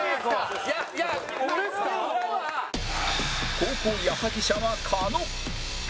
後攻矢作舎は狩野